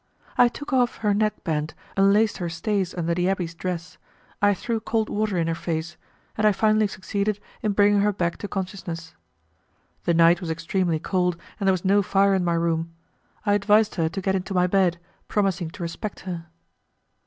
I took off her neck band, unlaced her stays under the abbé's dress, I threw cold water in her face, and I finally succeeded in bringing her back to consciousness. The night was extremely cold, and there was no fire in my room. I advised her to get into my bed, promising to respect her.